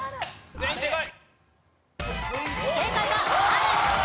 全員正解！